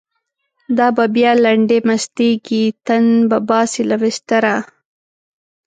دا به بیا لنډۍ مستیږی، تن به باسی له بستره